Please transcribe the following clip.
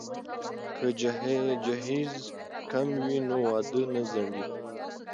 که جهیز کم وي نو واده نه ځنډیږي.